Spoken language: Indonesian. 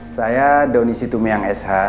saya donisi tumeyang sh